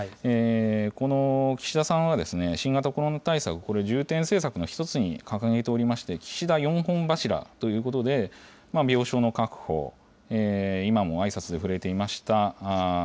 この岸田さんは、新型コロナ対策、これ重点政策の一つに掲げておりまして、岸田４本柱ということで、病床の確保、今もあいさつで触れていました